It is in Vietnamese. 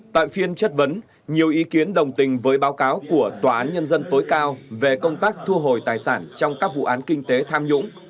tại phiên chất vấn nhiều ý kiến đồng tình với báo cáo của tòa án nhân dân tối cao về công tác thu hồi tài sản trong các vụ án kinh tế tham nhũng